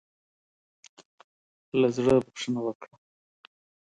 له زړۀ بخښنه وکړه.